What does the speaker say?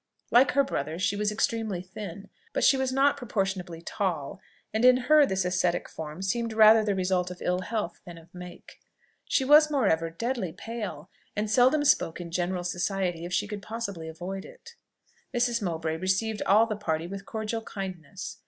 Like her brother she was extremely thin; but she was not proportionably tall, and in her this ascetic form seemed rather the result of ill health than of make. She was moreover deadly pale, and seldom spoke in general society if she could possibly avoid it. Mrs. Mowbray received all the party with cordial kindness.